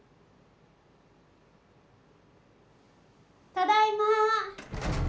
ただいま！